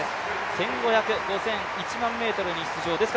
１５００、５０００、１００００ｍに出場です。